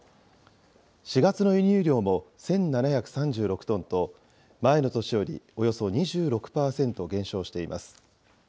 ４月の輸入量も１７３６トンと、前の年よりおよそ２６％減少しています。